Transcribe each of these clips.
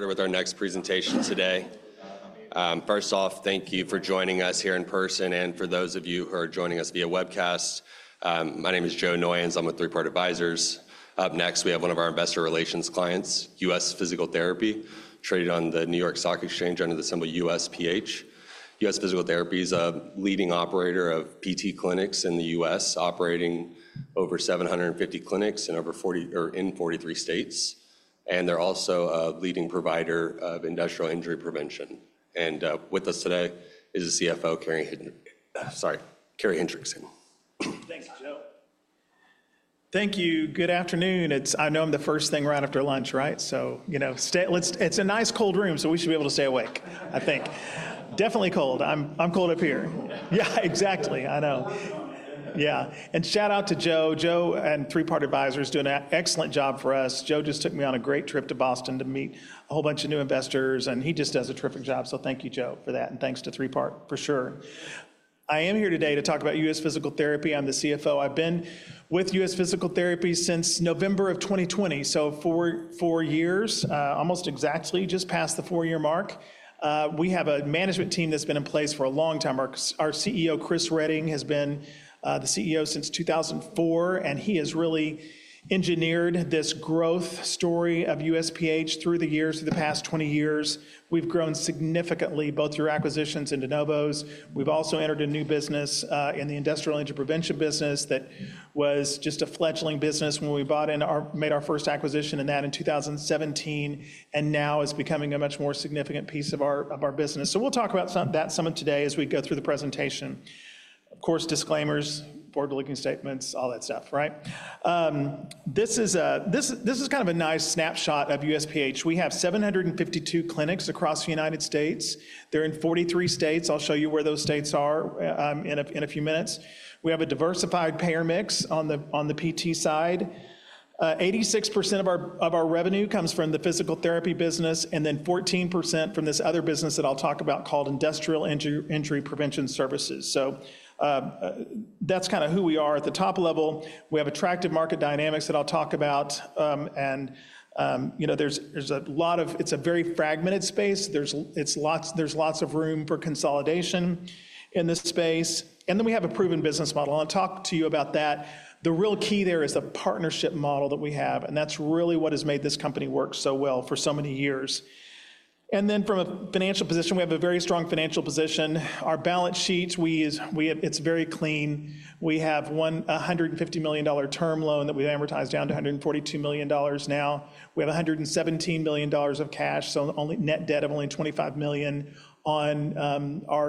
Started with our next presentation today. First off, thank you for joining us here in person. And for those of you who are joining us via webcast, my name is Joe Noyons. I'm with Three Part Advisors. Up next, we have one of our investor relations clients, U.S. Physical Therapy, traded on the New York Stock Exchange under the symbol USPH. U.S. Physical Therapy is a leading operator of PT clinics in the U.S., operating over 750 clinics in over 40 or in 43 states. And they're also a leading provider of industrial injury prevention. And with us today is the CFO, Carey Hendrickson. Thanks, Joe. Thank you. Good afternoon. I know I'm the first thing right after lunch, right? So, you know, it's a nice cold room, so we should be able to stay awake, I think. Definitely cold. I'm cold up here. Yeah, exactly. I know. Yeah. And shout out to Joe. Joe and Three Part Advisors do an excellent job for us. Joe just took me on a great trip to Boston to meet a whole bunch of new investors. And he just does a terrific job. So thank you, Joe, for that. And thanks to Three Part, for sure. I am here today to talk about U.S. Physical Therapy. I'm the CFO. I've been with U.S. Physical Therapy since November of 2020, so four years, almost exactly just past the four-year mark. We have a management team that's been in place for a long time. Our CEO, Chris Reading, has been the CEO since 2004. And he has really engineered this growth story of USPH through the years, through the past 20 years. We've grown significantly, both through acquisitions and de novos. We've also entered a new business in the industrial injury prevention business that was just a fledgling business when we bought and made our first acquisition in that in 2017. And now it's becoming a much more significant piece of our business. So we'll talk about that some of today as we go through the presentation. Of course, disclaimers, forward-looking statements, all that stuff, right? This is kind of a nice snapshot of USPH. We have 752 clinics across the United States. They're in 43 states. I'll show you where those states are in a few minutes. We have a diversified payer mix on the PT side. 86% of our revenue comes from the physical therapy business, and then 14% from this other business that I'll talk about called industrial injury prevention services. So that's kind of who we are at the top level. We have attractive market dynamics that I'll talk about. And there's a lot of it's a very fragmented space. There's lots of room for consolidation in this space. And then we have a proven business model. I'll talk to you about that. The real key there is a partnership model that we have. And that's really what has made this company work so well for so many years. And then from a financial position, we have a very strong financial position. Our balance sheet, it's very clean. We have one $150 million term loan that we've amortized down to $142 million now. We have $117 million of cash, so net debt of only $25 million. Our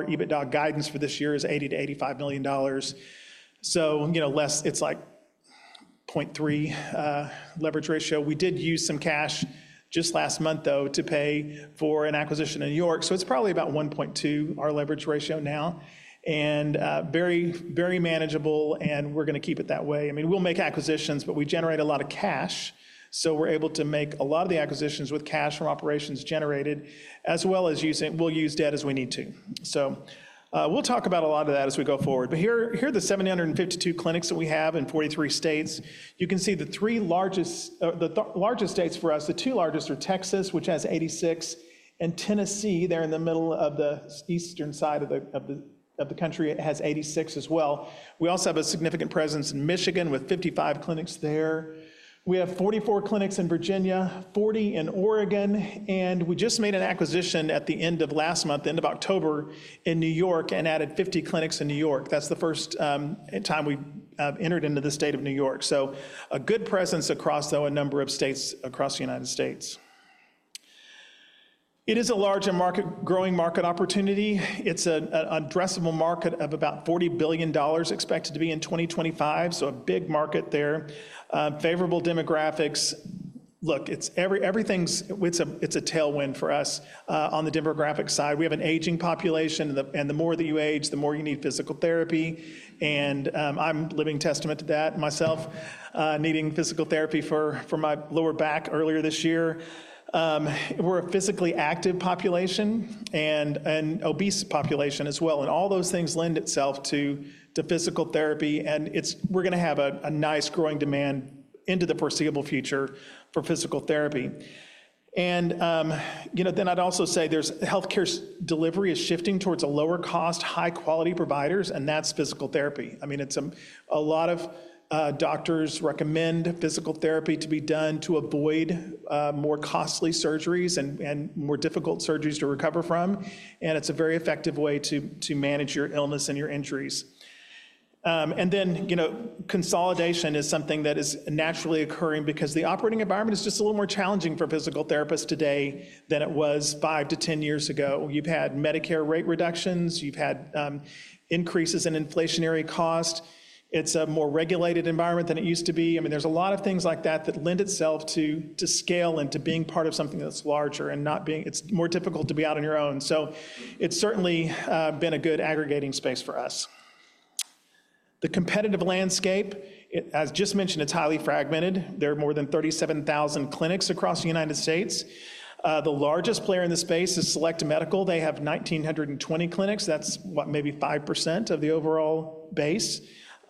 EBITDA guidance for this year is $80 million-$85 million. So it's like 0.3 leverage ratio. We did use some cash just last month, though, to pay for an acquisition in New York. So it's probably about 1.2 our leverage ratio now. And very, very manageable. And we're going to keep it that way. I mean, we'll make acquisitions, but we generate a lot of cash. So we're able to make a lot of the acquisitions with cash from operations generated, as well as using we'll use debt as we need to. So we'll talk about a lot of that as we go forward. But here are the 752 clinics that we have in 43 states. You can see the three largest states for us. The two largest are Texas, which has 86, and Tennessee. They're in the middle of the eastern side of the country. It has 86 as well. We also have a significant presence in Michigan with 55 clinics there. We have 44 clinics in Virginia, 40 in Oregon. We just made an acquisition at the end of last month, end of October in New York, and added 50 clinics in New York. That's the first time we entered into the state of New York. We have a good presence across a number of states across the United States. It is a large and growing market opportunity. It's an addressable market of about $40 billion expected to be in 2025. It's a big market there. Favorable demographics. Look, everything is. It's a tailwind for us on the demographic side. We have an aging population. The more that you age, the more you need physical therapy. And I'm living testament to that myself, needing physical therapy for my lower back earlier this year. We're a physically active population and obese population as well. And all those things lend itself to physical therapy. And we're going to have a nice growing demand into the foreseeable future for physical therapy. And then I'd also say there's healthcare delivery is shifting towards a lower cost, high quality providers, and that's physical therapy. I mean, a lot of doctors recommend physical therapy to be done to avoid more costly surgeries and more difficult surgeries to recover from. And it's a very effective way to manage your illness and your injuries. And then consolidation is something that is naturally occurring because the operating environment is just a little more challenging for physical therapists today than it was five to 10 years ago. You've had Medicare rate reductions. You've had increases in inflationary cost. It's a more regulated environment than it used to be. I mean, there's a lot of things like that that lend itself to scale and to being part of something that's larger and not being. It's more difficult to be out on your own. So it's certainly been a good aggregating space for us. The competitive landscape, as just mentioned, it's highly fragmented. There are more than 37,000 clinics across the United States. The largest player in the space is Select Medical. They have 1,920 clinics. That's what, maybe 5% of the overall base.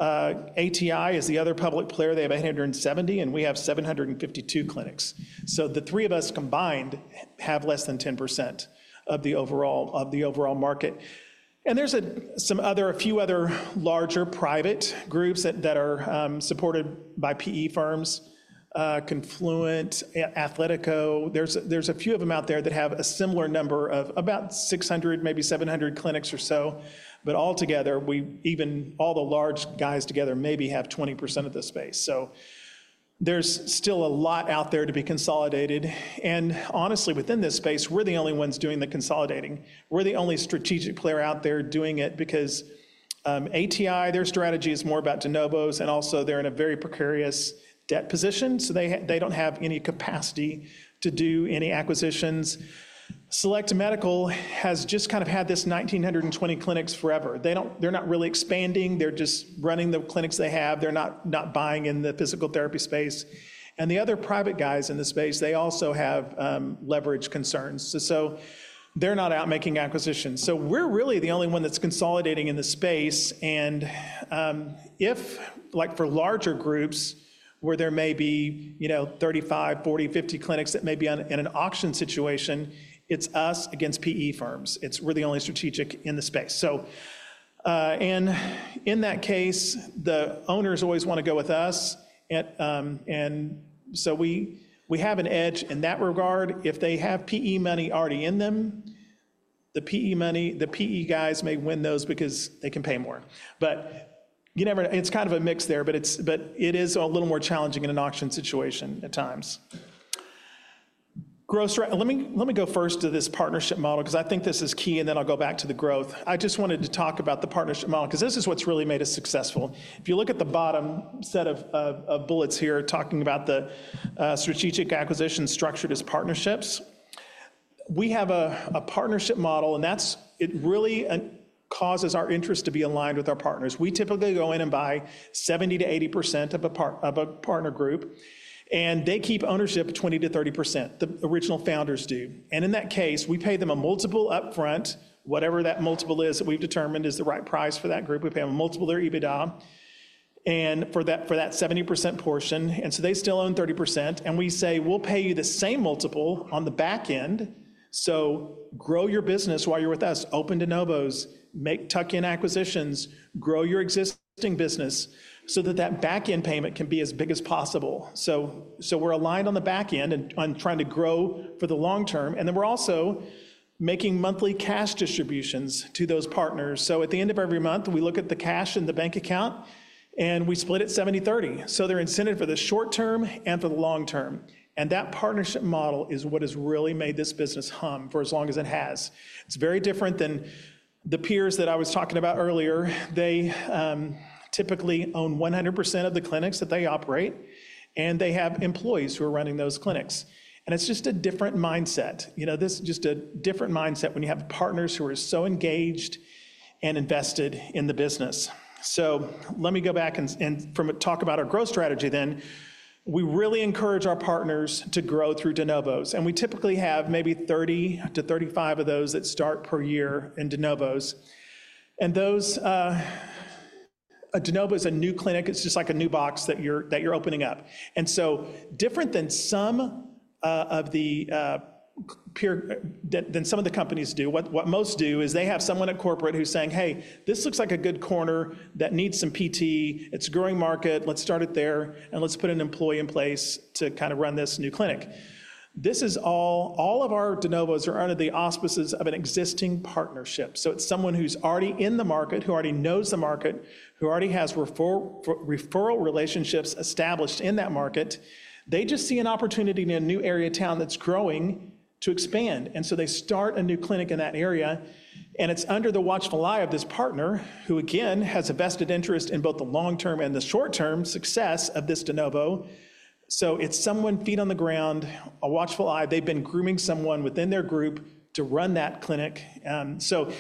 ATI is the other public player. They have 870, and we have 752 clinics. So the three of us combined have less than 10% of the overall market, and there's a few other larger private groups that are supported by PE firms, Confluent, Athletico. There's a few of them out there that have a similar number of about 600, maybe 700 clinics or so. But altogether, even all the large guys together maybe have 20% of the space. So there's still a lot out there to be consolidated. And honestly, within this space, we're the only ones doing the consolidating. We're the only strategic player out there doing it because ATI, their strategy is more about de novos. And also, they're in a very precarious debt position. So they don't have any capacity to do any acquisitions. Select Medical has just kind of had this 1,920 clinics forever. They're not really expanding. They're just running the clinics they have. They're not buying in the physical therapy space. And the other private guys in the space, they also have leverage concerns. So they're not out making acquisitions. So we're really the only one that's consolidating in the space. And if, like for larger groups, where there may be 35, 40, 50 clinics that may be in an auction situation, it's us against PE firms. We're the only strategic in the space. And in that case, the owners always want to go with us. And so we have an edge in that regard. If they have PE money already in them, the PE guys may win those because they can pay more. But it's kind of a mix there. But it is a little more challenging in an auction situation at times. Let me go first to this partnership model because I think this is key. And then I'll go back to the growth. I just wanted to talk about the partnership model because this is what's really made us successful. If you look at the bottom set of bullets here talking about the strategic acquisitions structured as partnerships, we have a partnership model. And that really causes our interest to be aligned with our partners. We typically go in and buy 70%-80% of a partner group. And they keep ownership 20%-30%. The original founders do. And in that case, we pay them a multiple upfront, whatever that multiple is that we've determined is the right price for that group. We pay them a multiple of their EBITDA for that 70% portion. And so they still own 30%. And we say, "We'll pay you the same multiple on the back end. So grow your business while you're with us, open de novos, make tuck-in acquisitions, grow your existing business so that that back-end payment can be as big as possible." So we're aligned on the back end and trying to grow for the long term. And then we're also making monthly cash distributions to those partners. So at the end of every month, we look at the cash in the bank account, and we split it 70/30. So they're incented for the short term and for the long term. And that partnership model is what has really made this business hum for as long as it has. It's very different than the peers that I was talking about earlier. They typically own 100% of the clinics that they operate. And they have employees who are running those clinics. And it's just a different mindset. Just a different mindset when you have partners who are so engaged and invested in the business. So let me go back and talk about our growth strategy then. We really encourage our partners to grow through de novos. And we typically have maybe 30 to 35 of those that start per year in de novos. And de novo is a new clinic. It's just like a new box that you're opening up. And so different than some of the companies do, what most do is they have someone at corporate who's saying, "Hey, this looks like a good corner that needs some PT. It's a growing market. Let's start it there. And let's put an employee in place to kind of run this new clinic." All of our de novos are under the auspices of an existing partnership. So it's someone who's already in the market, who already knows the market, who already has referral relationships established in that market. They just see an opportunity in a new area of town that's growing to expand. And so they start a new clinic in that area. And it's under the watchful eye of this partner, who again has a vested interest in both the long-term and the short-term success of this de novo. So it's someone feet on the ground, a watchful eye. They've been grooming someone within their group to run that clinic. So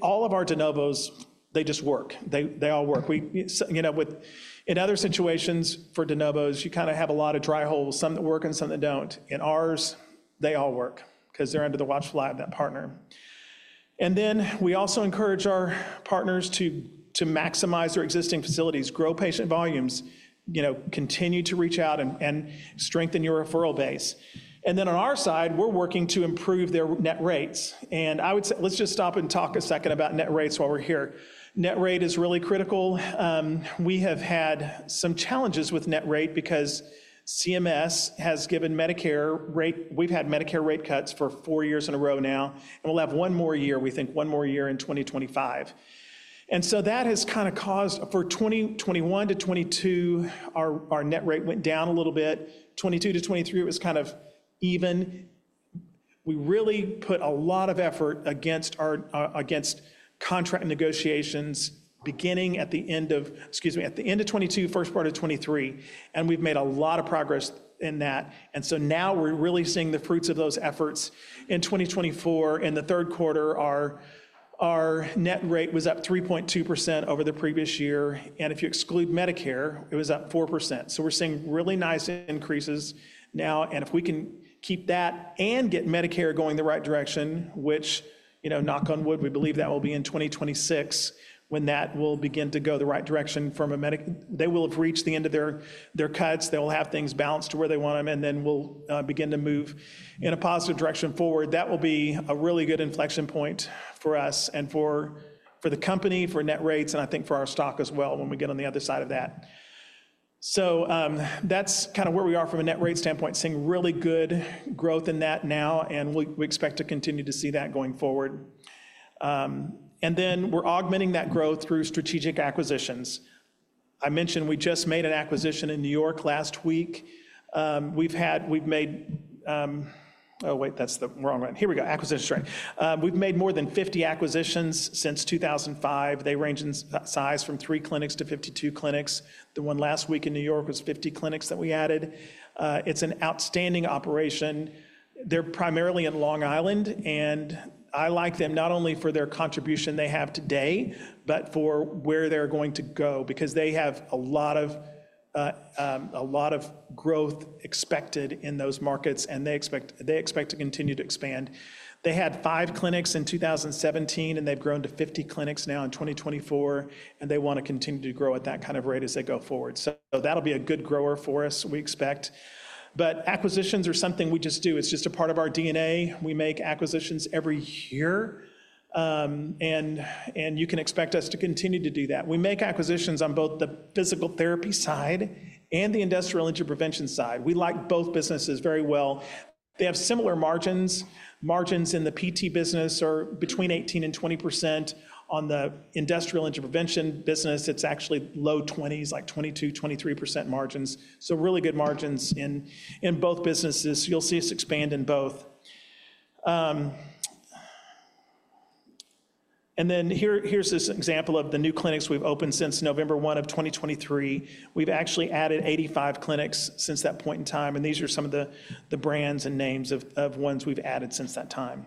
all of our de novos, they just work. They all work. In other situations for de novos, you kind of have a lot of dry holes, some that work and some that don't. In ours, they all work because they're under the watchful eye of that partner. And then we also encourage our partners to maximize their existing facilities, grow patient volumes, continue to reach out, and strengthen your referral base. And then on our side, we're working to improve their net rates. And let's just stop and talk a second about net rates while we're here. Net rate is really critical. We have had some challenges with net rate because CMS has given Medicare rate we've had Medicare rate cuts for four years in a row now. And we'll have one more year, we think one more year in 2025. And so that has kind of caused for 2021 to 2022, our net rate went down a little bit. 2022 to 2023, it was kind of even. We really put a lot of effort against contract negotiations beginning at the end of, excuse me, at the end of 2022, first part of 2023. And we've made a lot of progress in that. And so now we're really seeing the fruits of those efforts. In 2024, in the Q3, our net rate was up 3.2% over the previous year. And if you exclude Medicare, it was up 4%. So we're seeing really nice increases now. And if we can keep that and get Medicare going the right direction, which, knock on wood, we believe that will be in 2026 when that will begin to go the right direction from a they will have reached the end of their cuts. They will have things balanced to where they want them. And then we'll begin to move in a positive direction forward. That will be a really good inflection point for us and for the company, for net rates, and I think for our stock as well when we get on the other side of that. So that's kind of where we are from a net rate standpoint, seeing really good growth in that now. And we expect to continue to see that going forward. And then we're augmenting that growth through strategic acquisitions. I mentioned we just made an acquisition in New York last week. Acquisition strength. We've made more than 50 acquisitions since 2005. They range in size from three clinics to 52 clinics. The one last week in New York was 50 clinics that we added. It's an outstanding operation. They're primarily in Long Island. And I like them not only for their contribution they have today, but for where they're going to go because they have a lot of growth expected in those markets. And they expect to continue to expand. They had five clinics in 2017, and they've grown to 50 clinics now in 2024. And they want to continue to grow at that kind of rate as they go forward. So that'll be a good grower for us, we expect. But acquisitions are something we just do. It's just a part of our DNA. We make acquisitions every year. And you can expect us to continue to do that. We make acquisitions on both the physical therapy side and the industrial injury prevention side. We like both businesses very well. They have similar margins. Margins in the PT business are between 18% and 20%. On the industrial injury prevention business, it's actually low 20s, like 22%-23% margins. So really good margins in both businesses. You'll see us expand in both. And then here's this example of the new clinics we've opened since November 1 of 2023. We've actually added 85 clinics since that point in time. And these are some of the brands and names of ones we've added since that time.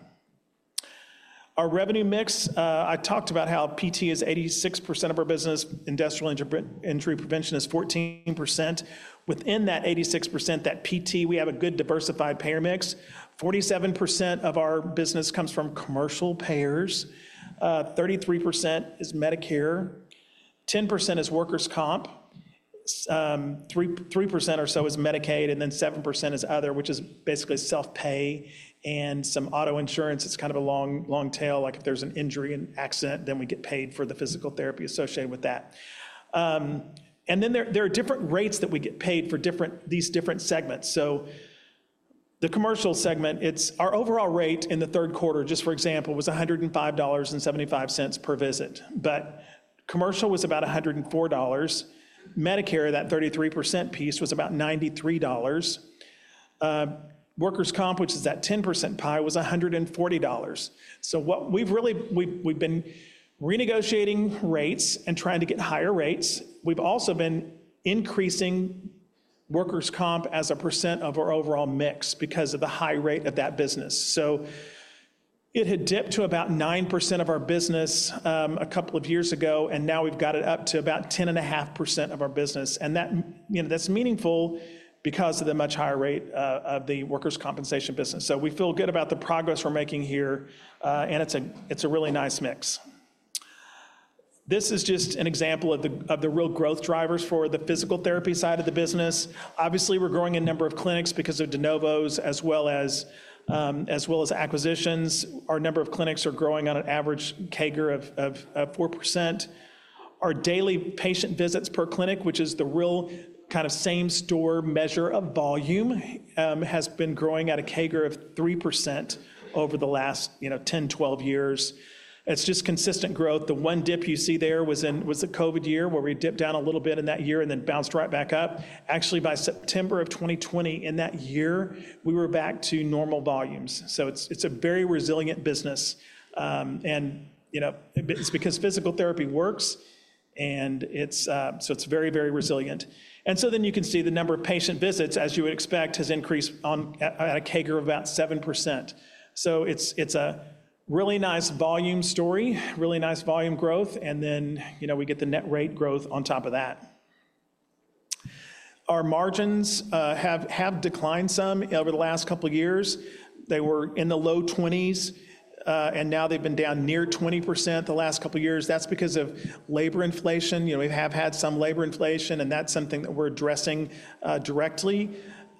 Our revenue mix, I talked about how PT is 86% of our business. Industrial injury prevention is 14%. Within that 86%, that PT, we have a good diversified payer mix. 47% of our business comes from commercial payers. 33% is Medicare. 10% is workers' comp. 3% or so is Medicaid. And then 7% is other, which is basically self-pay and some auto insurance. It's kind of a long tail. Like if there's an injury, an accident, then we get paid for the physical therapy associated with that. And then there are different rates that we get paid for these different segments. So the commercial segment, our overall rate in the Q3, just for example, was $105.75 per visit. But commercial was about $104. Medicare, that 33% piece, was about $93. Workers' comp, which is that 10% pie, was $140. So we've been renegotiating rates and trying to get higher rates. We've also been increasing workers' comp as a percent of our overall mix because of the high rate of that business. So it had dipped to about 9% of our business a couple of years ago. And now we've got it up to about 10.5% of our business. And that's meaningful because of the much higher rate of the workers' compensation business. So we feel good about the progress we're making here. And it's a really nice mix. This is just an example of the real growth drivers for the physical therapy side of the business. Obviously, we're growing a number of clinics because of de novos, as well as acquisitions. Our number of clinics are growing on an average CAGR of 4%. Our daily patient visits per clinic, which is the real kind of same-store measure of volume, has been growing at a CAGR of 3% over the last 10, 12 years. It's just consistent growth. The one dip you see there was the COVID year where we dipped down a little bit in that year and then bounced right back up. Actually, by September of 2020 in that year, we were back to normal volumes. So it's a very resilient business. And it's because physical therapy works. It's very, very resilient. So then you can see the number of patient visits, as you would expect, has increased at a CAGR of about 7%. So it's a really nice volume story, really nice volume growth. And then we get the net rate growth on top of that. Our margins have declined some over the last couple of years. They were in the low 20s. And now they've been down near 20% the last couple of years. That's because of labor inflation. We have had some labor inflation. And that's something that we're addressing directly.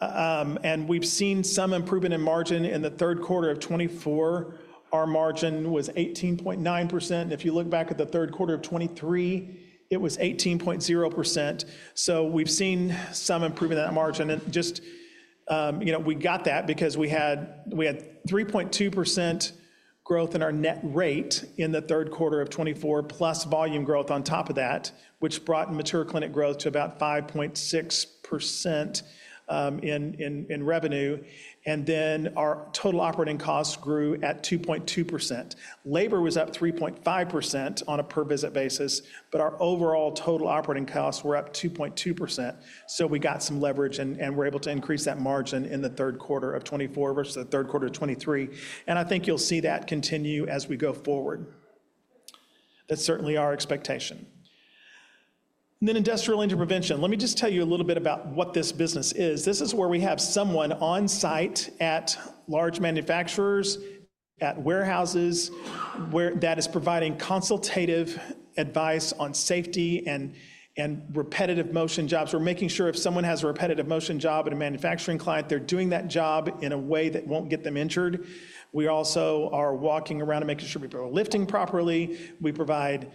And we've seen some improvement in margin. In the Q3 of 2024, our margin was 18.9%. And if you look back at the Q3 of 2023, it was 18.0%. So we've seen some improvement in that margin. We just got that because we had 3.2% growth in our net rate in the third quarter of 2024, plus volume growth on top of that, which brought mature clinic growth to about 5.6% in revenue. Our total operating costs grew at 2.2%. Labor was up 3.5% on a per-visit basis. Our overall total operating costs were up 2.2%. We got some leverage. We're able to increase that margin in the Q3 of 2024 versus the Q3 of 2023. I think you'll see that continue as we go forward. That's certainly our expectation. Industrial injury prevention. Let me just tell you a little bit about what this business is. This is where we have someone on site at large manufacturers, at warehouses, that is providing consultative advice on safety and repetitive motion jobs. We're making sure if someone has a repetitive motion job at a manufacturing client, they're doing that job in a way that won't get them injured. We also are walking around and making sure people are lifting properly. We provide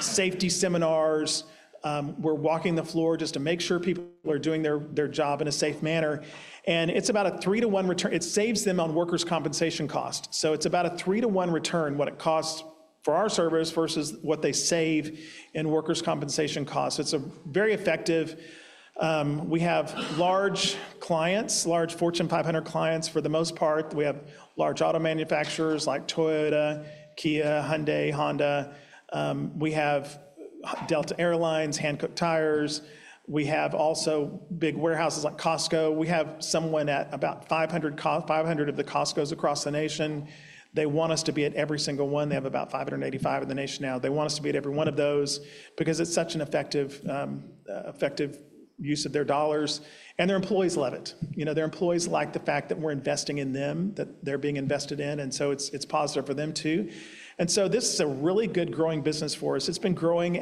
safety seminars. We're walking the floor just to make sure people are doing their job in a safe manner. And it's about a three-to-one return. It saves them on workers' compensation costs. So it's about a three-to-one return what it costs for our services versus what they save in workers' compensation costs. It's very effective. We have large clients, large Fortune 500 clients for the most part. We have large auto manufacturers like Toyota, Kia, Hyundai, Honda. We have Delta Air Lines, Hankook Tires. We have also big warehouses like Costco. We have someone at about 500 of the Costcos across the nation. They want us to be at every single one. They have about 585 in the nation now. They want us to be at every one of those because it's such an effective use of their dollars, and their employees love it. Their employees like the fact that we're investing in them, that they're being invested in, and so it's positive for them too, and so this is a really good growing business for us. It's been growing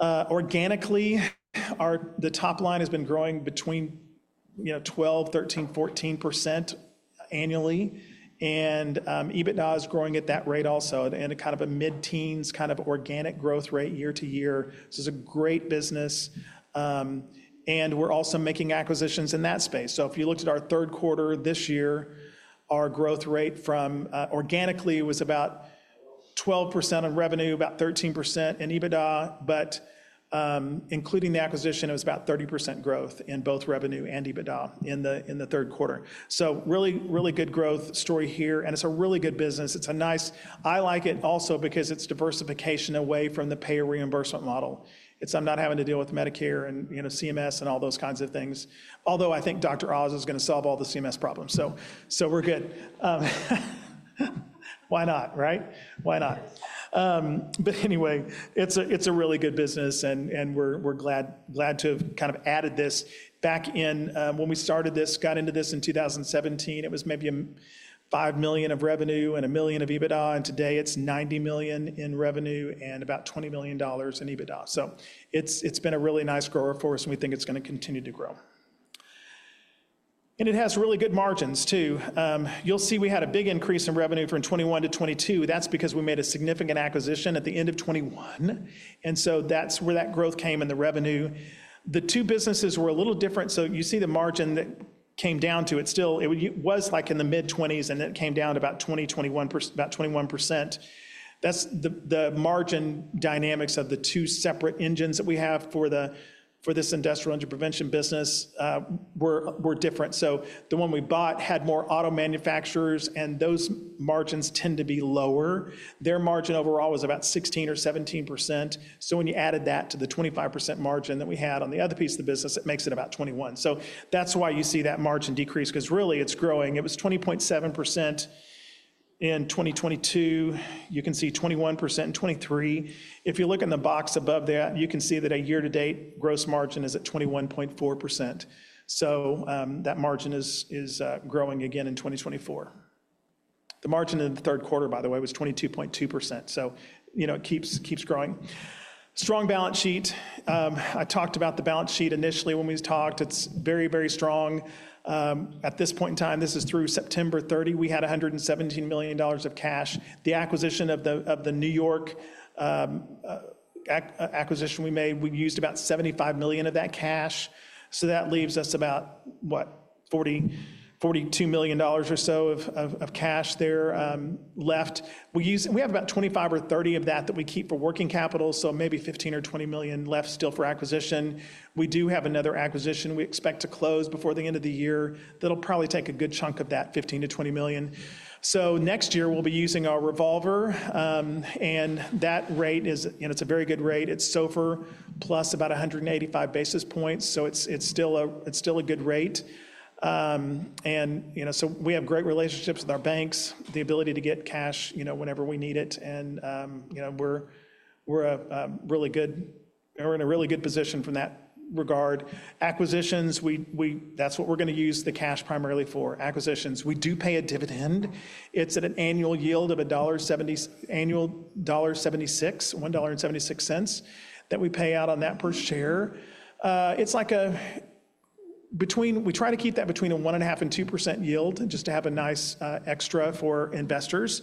organically. The top line has been growing between 12%-14% annually, and EBITDA is growing at that rate also, and kind of a mid-teens kind of organic growth rate year to year. This is a great business, and we're also making acquisitions in that space, so if you looked at our Q3 this year, our organic growth rate was about 12% of revenue, about 13% in EBITDA. But including the acquisition, it was about 30% growth in both revenue and EBITDA in the Q3. So really, really good growth story here. And it's a really good business. It's a nice I like it also because it's diversification away from the payer reimbursement model. It's I'm not having to deal with Medicare and CMS and all those kinds of things. Although I think Dr. Oz is going to solve all the CMS problems. So we're good. Why not, right? Why not? But anyway, it's a really good business. And we're glad to have kind of added this back in. When we started this, got into this in 2017, it was maybe $5 million of revenue and $1 million of EBITDA. And today it's $90 million in revenue and about $20 million in EBITDA. It's been a really nice grower for us, and we think it's going to continue to grow. It has really good margins too. You'll see we had a big increase in revenue from 2021 to 2022. That's because we made a significant acquisition at the end of 2021. That's where that growth came in the revenue. The two businesses were a little different. You see the margin that came down to it still. It was like in the mid-20s, and it came down to about 20%-21%, about 21%. That's the margin dynamics of the two separate engines that we have for this industrial injury prevention business were different. The one we bought had more auto manufacturers, and those margins tend to be lower. Their margin overall was about 16% or 17%. So when you added that to the 25% margin that we had on the other piece of the business, it makes it about 21%. So that's why you see that margin decrease because really it's growing. It was 20.7% in 2022. You can see 21% in 2023. If you look in the box above there, you can see that a year-to-date gross margin is at 21.4%. So that margin is growing again in 2024. The margin in the Q3, by the way, was 22.2%. So it keeps growing. Strong balance sheet. I talked about the balance sheet initially when we talked. It's very, very strong. At this point in time, this is through September 30, we had $117 million of cash. The acquisition of the New York acquisition we made, we used about $75 million of that cash. That leaves us about what, $42 million or so of cash there left. We have about $25 million or $30 million of that that we keep for working capital. So maybe $15 million or $20 million left still for acquisition. We do have another acquisition we expect to close before the end of the year. That'll probably take a good chunk of that $15 million-$20 million. Next year, we'll be using our revolver. That rate is. It's a very good rate. It's SOFR plus about 185 basis points. It's still a good rate. We have great relationships with our banks, the ability to get cash whenever we need it. We're in a really good position from that regard. Acquisitions. That's what we're going to use the cash primarily for. Acquisitions. We do pay a dividend. It's at an annual yield of $1.76, $1.76 that we pay out on that per share. It's like a between we try to keep that between 1.5% and 2% yield just to have a nice extra for investors,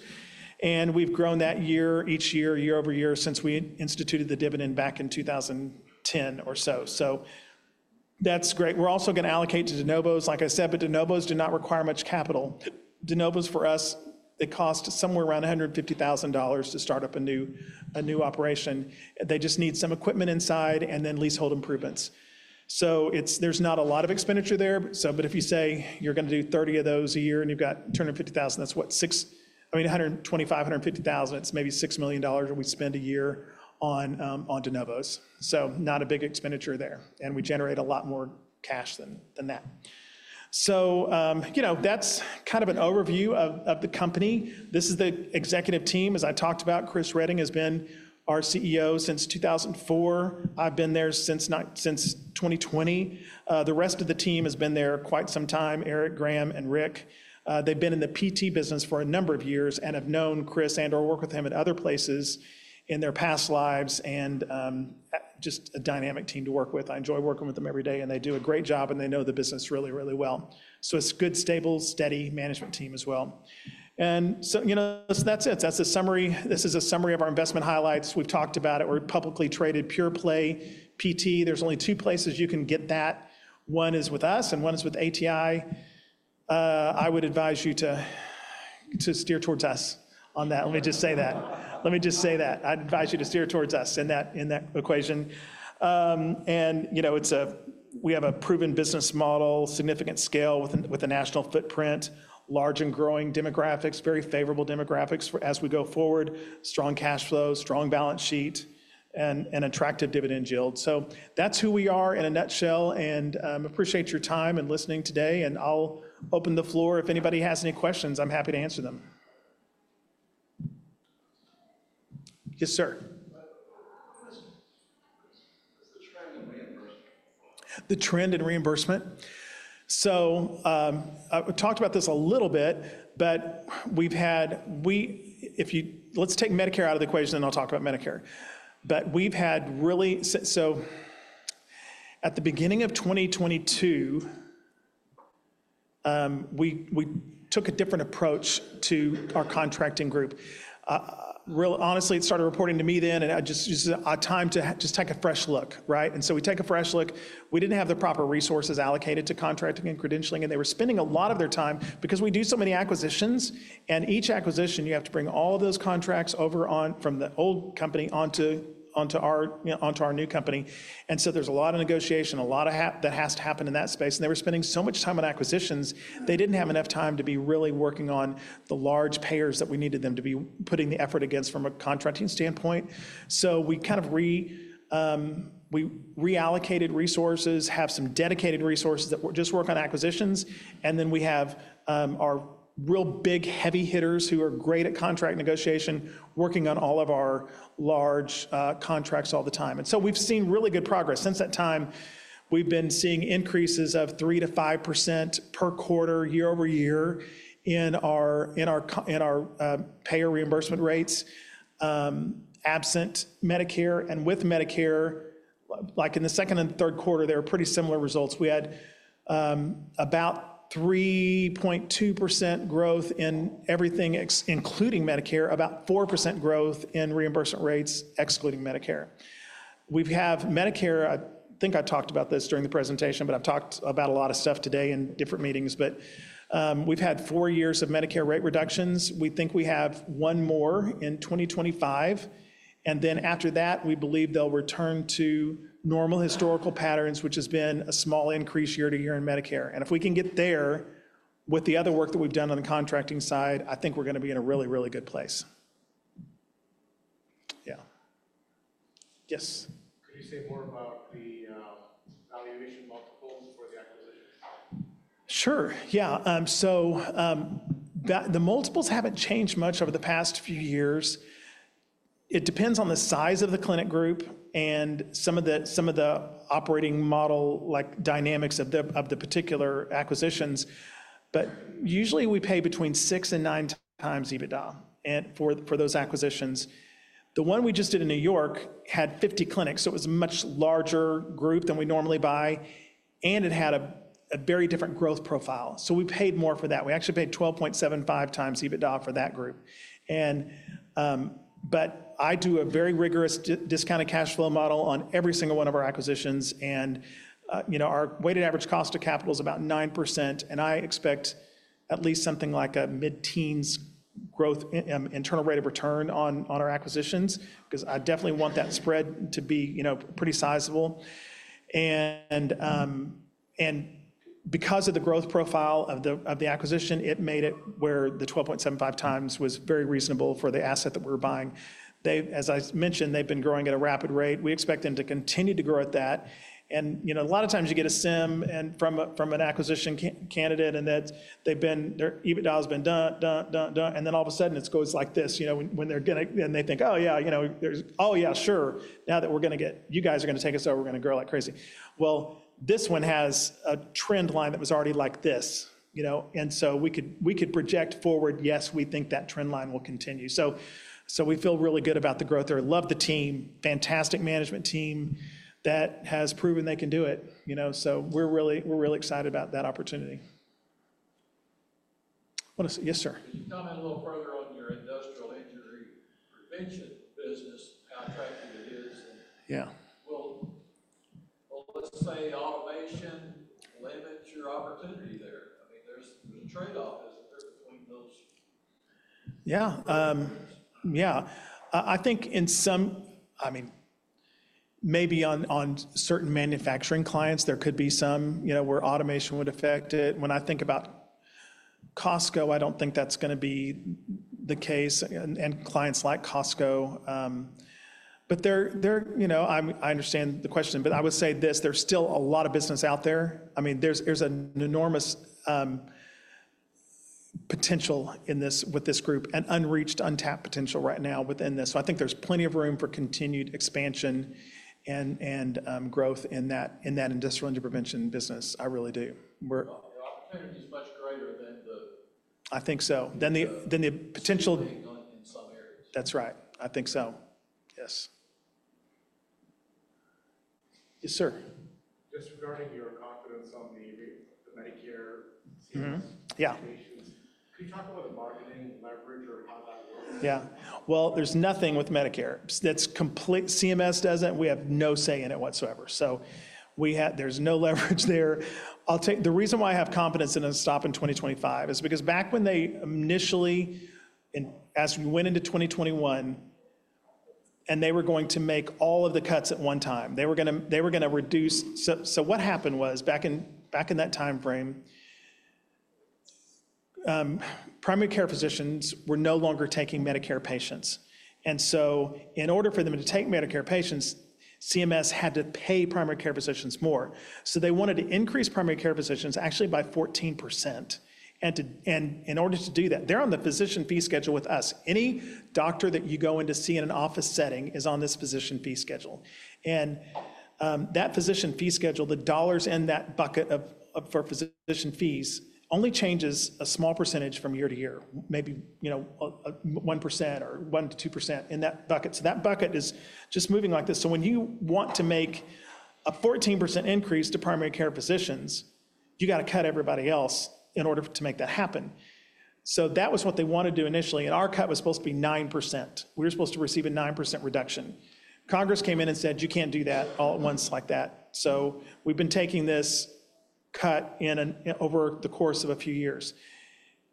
and we've grown that year each year, year over year since we instituted the dividend back in 2010 or so, so that's great. We're also going to allocate to de novos, like I said, but de novos do not require much capital. De novos for us, it costs somewhere around $150,000 to start up a new operation. They just need some equipment inside and then leasehold improvements, so there's not a lot of expenditure there. But if you say you're going to do 30 of those a year and you've got $250,000, that's what, $6 million I mean, $125,000, $150,000, it's maybe $6 million we spend a year on de novos. So not a big expenditure there. And we generate a lot more cash than that. So that's kind of an overview of the company. This is the executive team. As I talked about, Chris Reading has been our CEO since 2004. I've been there since 2020. The rest of the team has been there quite some time, Eric, Graham, and Rick. They've been in the PT business for a number of years and have known Chris and/or worked with him at other places in their past lives. And just a dynamic team to work with. I enjoy working with them every day. And they do a great job. And they know the business really, really well. So it's a good, stable, steady management team as well. And so that's it. That's a summary. This is a summary of our investment highlights. We've talked about it. We're publicly traded pure-play PT. There's only two places you can get that. One is with us and one is with ATI. I would advise you to steer toward us on that. Let me just say that. I'd advise you to steer toward us in that equation. We have a proven business model, significant scale with a national footprint, large and growing demographics, very favorable demographics as we go forward, strong cash flow, strong balance sheet, and attractive dividend yield. So that's who we are in a nutshell. I appreciate your time and listening today. I'll open the floor. If anybody has any questions, I'm happy to answer them. Yes, sir. The trend in reimbursement. So I talked about this a little bit, but let's take Medicare out of the equation, and then I'll talk about Medicare. But we've had really so at the beginning of 2022, we took a different approach to our contracting group. Honestly, it started reporting to me then, and I just said, "Our time to just take a fresh look," right? And so we take a fresh look. We didn't have the proper resources allocated to contracting and credentialing. And they were spending a lot of their time because we do so many acquisitions. And each acquisition, you have to bring all those contracts over from the old company onto our new company. And so there's a lot of negotiation, a lot of that has to happen in that space. And they were spending so much time on acquisitions, they didn't have enough time to be really working on the large payers that we needed them to be putting the effort against from a contracting standpoint. So we kind of reallocated resources, have some dedicated resources that just work on acquisitions. And then we have our real big heavy hitters who are great at contract negotiation, working on all of our large contracts all the time. And so we've seen really good progress. Since that time, we've been seeing increases of 3%-5% per quarter, year over year in our payer reimbursement rates, absent Medicare. And with Medicare, like in the Q2 and Q3, there were pretty similar results. We had about 3.2% growth in everything, including Medicare, about 4% growth in reimbursement rates, excluding Medicare. We have Medicare. I think I talked about this during the presentation, but I've talked about a lot of stuff today in different meetings. But we've had four years of Medicare rate reductions. We think we have one more in 2025. And then after that, we believe they'll return to normal historical patterns, which has been a small increase year to year in Medicare. And if we can get there with the other work that we've done on the contracting side, I think we're going to be in a really, really good place. Yeah. Yes. Could you say more about the valuation? Sure. Yeah. So the multiples haven't changed much over the past few years. It depends on the size of the clinic group and some of the operating model dynamics of the particular acquisitions. But usually, we pay between 6x and 9x EBITDA for those acquisitions. The one we just did in New York had 50 clinics. So it was a much larger group than we normally buy. And it had a very different growth profile. So we paid more for that. We actually paid 12.75x EBITDA for that group, but I do a very rigorous discounted cash flow model on every single one of our acquisitions. Our weighted average cost of capital is about 9%, and I expect at least something like a mid-teens growth internal rate of return on our acquisitions because I definitely want that spread to be pretty sizable. Because of the growth profile of the acquisition, it made it where the 12.75x was very reasonable for the asset that we're buying. As I mentioned, they've been growing at a rapid rate. We expect them to continue to grow at that, and a lot of times, you get a CIM from an acquisition candidate, and they've been, their EBITDA has been down, down, down, down. Then all of a sudden, it goes like this. When they're going to and they think, "Oh, yeah, there's oh, yeah, sure. Now that we're going to get you guys are going to take us over, we're going to grow like crazy." Well, this one has a trend line that was already like this, and so we could project forward, yes, we think that trend line will continue. So we feel really good about the growth there. Love the team, fantastic management team that has proven they can do it. So we're really excited about that opportunity. Yes, sir. Can you comment a little further on your industrial injury prevention business, how attractive it is? Yeah. Well, let's say automation limits your Yeah. Yeah. I think in some, I mean, maybe on certain manufacturing clients, there could be some where automation would affect it. When I think about Costco, I don't think that's going to be the case, and clients like Costco. But I understand the question. But I would say this, there's still a lot of business out there. I mean, there's an enormous potential with this group and unreached, untapped potential right now within this. So I think there's plenty of room for continued expansion and growth in that industrial injury prevention business. I really do. I think so. Than the potential. That's right. I think so. Yes. Yes, sir. Yeah. Well, there's nothing with Medicare that's complete. CMS doesn't. We have no say in it whatsoever. So there's no leverage there. The reason why I have confidence in them to stop in 2025 is because back when they initially as we went into 2021, and they were going to make all of the cuts at one time, they were going to reduce. So what happened was back in that timeframe, primary care physicians were no longer taking Medicare patients. And so in order for them to take Medicare patients, CMS had to pay primary care physicians more. So they wanted to increase primary care physicians actually by 14%. And in order to do that, they're on the Physician Fee Schedule with us. Any doctor that you go into see in an office setting is on this Physician Fee Schedule. And that Physician Fee Schedule, the dollars in that bucket for physician fees only changes a small percentage from year to year, maybe 1% or 1%-2% in that bucket. So that bucket is just moving like this. So when you want to make a 14% increase to primary care physicians, you got to cut everybody else in order to make that happen. So that was what they wanted to do initially. And our cut was supposed to be 9%. We were supposed to receive a 9% reduction. Congress came in and said, "You can't do that all at once like that." So we've been taking this cut over the course of a few years.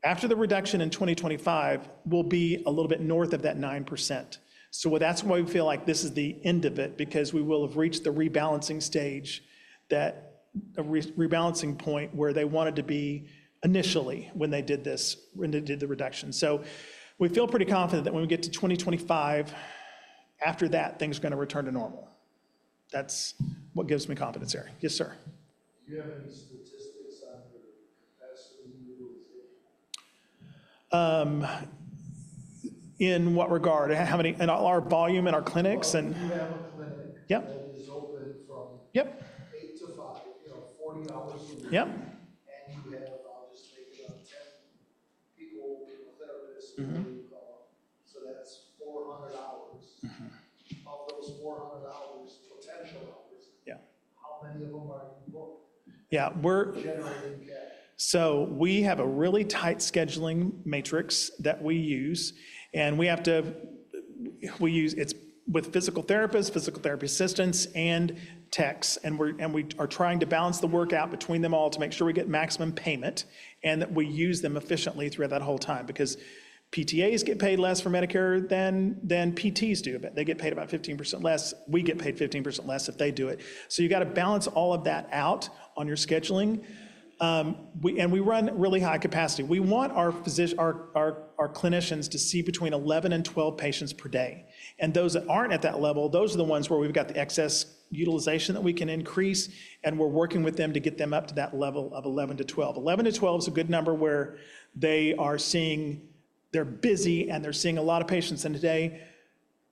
After the reduction in 2025, we'll be a little bit north of that 9%. So that's why we feel like this is the end of it because we will have reached the rebalancing stage, that rebalancing point where they wanted to be initially when they did this when they did the reduction. So we feel pretty confident that when we get to 2025, after that, things are going to return to normal. That's what gives me confidence here. Yes, sir. Do you have any statistics on In what regard? And our volume in our clinics and. 8:00 A.M. to 5:00 P.M., 40 hours a week. whatever you call them. So that's 400 hours. Of those 400 hours, potential hours, how many of them are you booked? Yeah. We're. So we have a really tight scheduling matrix that we use. And we have to use it's with physical therapists, physical therapy assistants, and techs. And we are trying to balance the work out between them all to make sure we get maximum payment and that we use them efficiently throughout that whole time because PTAs get paid less for Medicare than PTs do. They get paid about 15% less. We get paid 15% less if they do it. So you got to balance all of that out on your scheduling. And we run really high capacity. We want our clinicians to see between 11 and 12 patients per day. And those that aren't at that level, those are the ones where we've got the excess utilization that we can increase. And we're working with them to get them up to that level of 11 to 12. 11 to 12 is a good number where they are seeing they're busy and they're seeing a lot of patients in a day,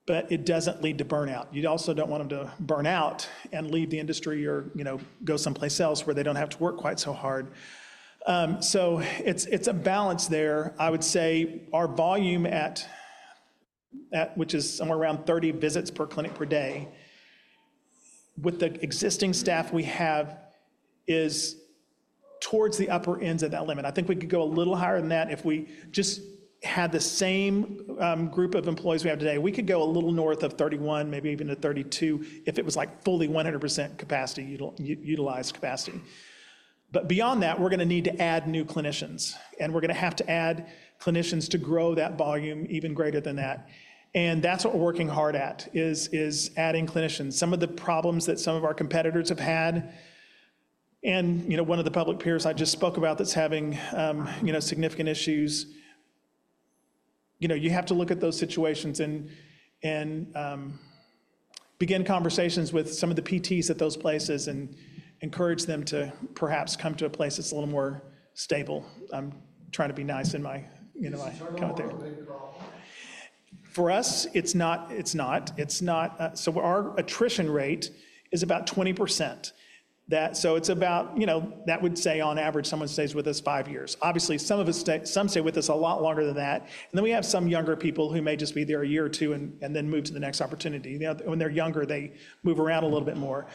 but it doesn't lead to burnout. You also don't want them to burn out and leave the industry or go someplace else where they don't have to work quite so hard. So it's a balance there. I would say our volume, which is somewhere around 30 visits per clinic per day, with the existing staff we have is towards the upper ends of that limit. I think we could go a little higher than that if we just had the same group of employees we have today. We could go a little north of 31, maybe even to 32 if it was fully 100% utilized capacity. But beyond that, we're going to need to add new clinicians. We're going to have to add clinicians to grow that volume even greater than that. That's what we're working hard at is adding clinicians. Some of the problems that some of our competitors have had and one of the public peers I just spoke about that's having significant issues, you have to look at those situations and begin conversations with some of the PTs at those places and encourage them to perhaps come to a place that's a little more stable. I'm trying to be nice in my comment there. For us, it's not. It's not. It's not. Our attrition rate is about 20%. It's about that would say, on average, someone stays with us five years. Obviously, some stay with us a lot longer than that. And then we have some younger people who may just be there a year or two and then move to the next opportunity. When they're younger, they move around a little bit more.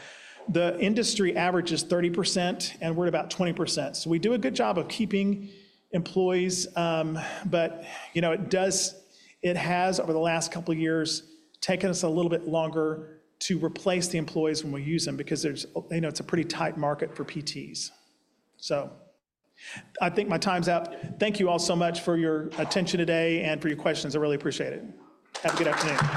The industry average is 30%, and we're at about 20%. So we do a good job of keeping employees. But it has, over the last couple of years, taken us a little bit longer to replace the employees when we use them because it's a pretty tight market for PTs. So I think my time's up. Thank you all so much for your attention today and for your questions. I really appreciate it. Have a good afternoon.